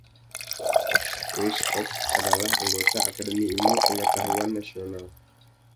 Weisskopf adalah anggota Akademi Ilmu Pengetahuan Nasional.